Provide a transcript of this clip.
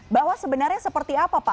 bahwa sebenarnya seperti apa pak